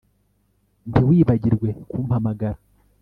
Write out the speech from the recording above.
Ntiwibagirwe kumpamagara